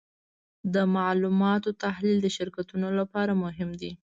د معلوماتو تحلیل د شرکتونو لپاره مهم دی.